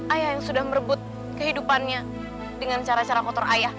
ayah yang sudah merebut kehidupannya dengan cara cara kotor ayah